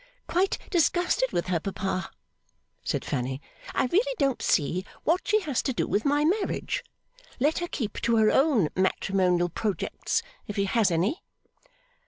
'Quite disgusted with her, papa,' said Fanny. 'I really don't see what she has to do with my marriage. Let her keep to her own matrimonial projects if she has any.